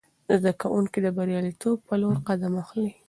زده کوونکي د بریالیتوب په لور قدم اخلي.